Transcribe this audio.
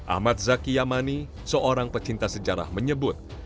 ahmad zaki yamani seorang pecinta sejarah menyebut